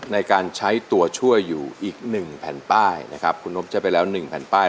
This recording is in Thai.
ในการใช้ตัวช่วยอยู่อีกหนึ่งแผ่นป้ายนะครับคุณนบใช้ไปแล้ว๑แผ่นป้าย